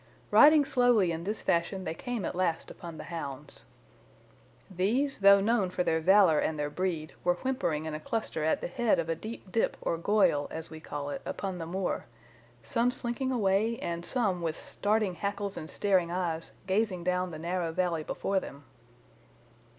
Riding slowly in this fashion they came at last upon the hounds. These, though known for their valour and their breed, were whimpering in a cluster at the head of a deep dip or goyal, as we call it, upon the moor, some slinking away and some, with starting hackles and staring eyes, gazing down the narrow valley before them.